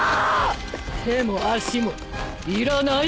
手も足もいらない？